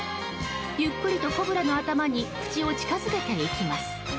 ゆっくりとコブラの頭に口を近づけていきます。